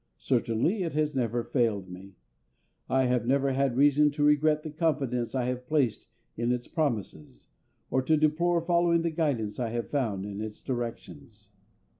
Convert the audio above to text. Certainly it has never failed me. I have never had reason to regret the confidence I have placed in its promises, or to deplore following the guidance I have found in its directions.